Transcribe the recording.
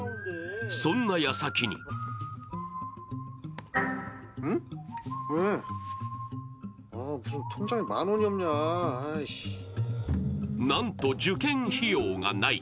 そんな矢先になんと受験費用がない。